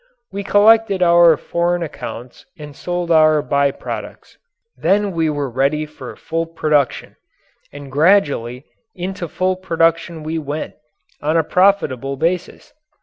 We collected our foreign accounts and sold our by products. Then we were ready for full production. And gradually into full production we went on a profitable basis.